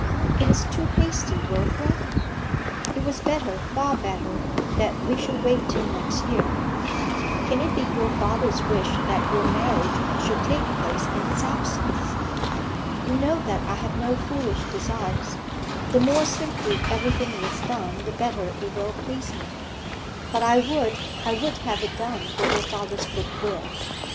'It is too hasty, Wilfrid. It was better, far better, that we should wait till next year. Can it be your father's wish that your marriage should take place in his absence? You know that I have no foolish desires; the more simply everything is done the better it will please me. But I would, I would have it done with your father's goodwill.